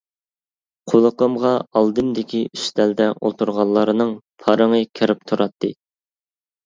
قۇلىقىمغا ئالدىمدىكى ئۈستەلدە ئولتۇرغانلارنىڭ پارىڭى كىرىپ تۇراتتى.